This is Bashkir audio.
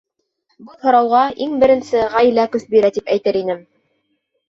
— Был һорауға иң беренсе ғаилә көс бирә, тип әйтер инем.